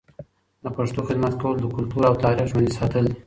د پښتو خدمت کول د کلتور او تاریخ ژوندي ساتل دي.